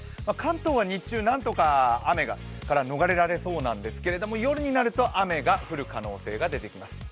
関東は日中、なんとか雨から逃れられそうなんですが夜になると雨が降る可能性が出てきます。